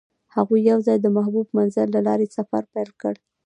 هغوی یوځای د محبوب منظر له لارې سفر پیل کړ.